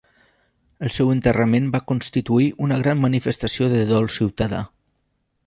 El seu enterrament va constituir una gran manifestació de dol ciutadà.